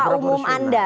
ketua umum anda